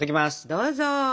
どうぞ。